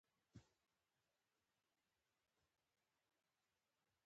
افغانان په احمدشاه بابا باندي ویاړي.